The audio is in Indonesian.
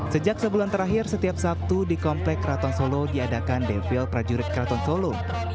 sejak sebulan terakhir setiap sabtu di komplek keraton solo diadakan devil prajurit keraton solo